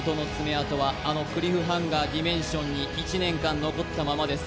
あとはあのクリフハンガーディメンションに１年間残ったままです